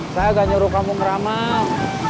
saya gak nyuruh kamu meramal